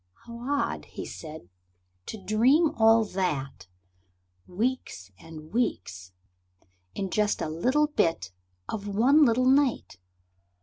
"How odd," said he, "to dream all that weeks and weeks, in just a little bit of one little night!